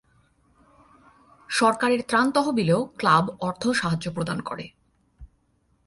সরকারের ত্রাণ তহবিলেও ক্লাব অর্থসাহায্য প্রদান করে।